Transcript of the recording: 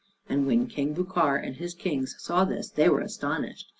And when King Bucar and his kings saw this, they were astonished.